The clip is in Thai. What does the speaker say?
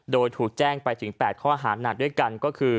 โดยถูกแจ้งไปถึง๘ข้อหาหนักด้วยกันก็คือ